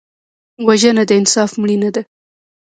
وژنه د انصاف مړینه ده